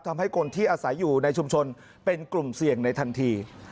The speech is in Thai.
ทำให้คนที่อาศัยอยู่ในชุมชนเป็นกลุ่มเสี่ยงในทันที